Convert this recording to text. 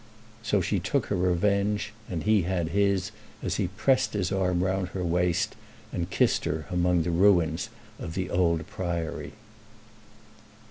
So she took her revenge, and he had his as he pressed his arm round her waist and kissed her among the ruins of the old Priory.